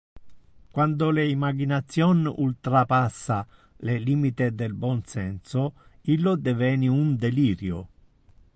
Quando le imagination ultrapassa le limite del bon senso illo deveni un delirio.